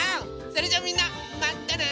それじゃあみんなまたね！